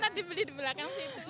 tadi beli di belakang situ